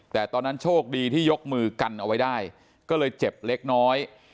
แต่ตอนนั้นโชคดีที่ยกมือกันเอาไว้ได้ก็เลยเจ็บเล็กน้อย